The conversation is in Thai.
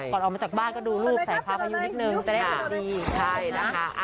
ก่อนออกมาจากบ้านก็ดูรูปสายฟ้าพออยู่นิดหนึ่งจะได้ดีใช่นะคะ